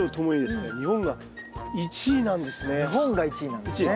日本が１位なんですね。